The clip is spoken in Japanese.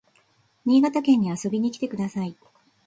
新潟県に遊びに来てください